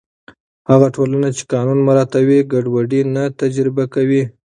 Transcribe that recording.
هغه ټولنه چې قانون مراعتوي، ګډوډي نه تجربه کوي.